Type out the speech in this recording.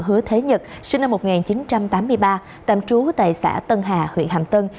hứa thế nhật sinh năm một nghìn chín trăm tám mươi ba tạm trú tại xã tân hà huyện hàm tân